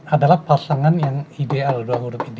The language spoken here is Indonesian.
adalah pasangan yang ideal dua huruf ide